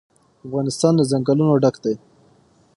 افغانستان له ځنګلونه ډک دی.